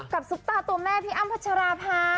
กับสุภาตัวแม่พี่อ้ำพัชราภา